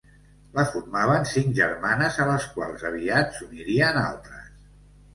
La formaven cinc germanes a les quals aviat s'unirien altres.